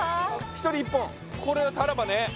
１人１本これはタラバね